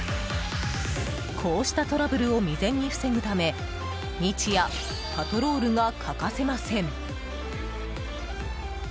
こうしたトラブルを未然に防ぐため日夜パトロールが欠かせません。